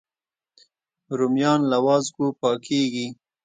رومیان له وازګو پاکېږي